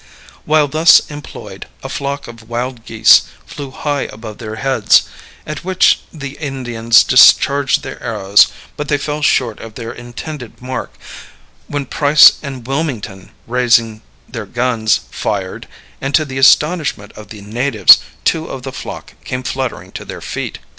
While thus employed, a flock of wild geese flew high above their heads, at which the Indians discharged their arrows, but they fell short of their intended mark; when Price and Wilmington, raising their guns, fired, and to the astonishment of the natives two of the flock came fluttering to their feet.